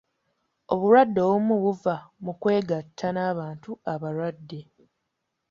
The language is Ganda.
Obulwadde obumu buva mu kwegatta n'abantu abalwadde.